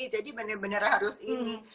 jadi bener bener harus ini